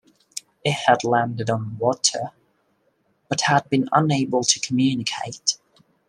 It had landed on the water, but had been unable to communicate.